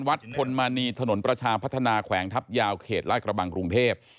วัดพลมณีถนนประชาพัฒนาแขวงทัพยาวเขตลาดกระบังกรุงเทพ